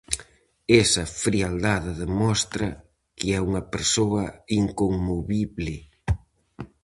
Esa frialdade demostra que é unha persoa inconmovible.